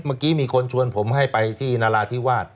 เมื่อกี้มีคนชวนผมให้ไปที่นราธิวาส